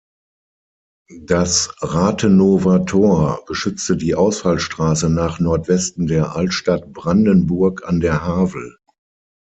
Das Rathenower Tor beschützte die Ausfallstraße nach Nordwesten der Altstadt Brandenburg an der Havel.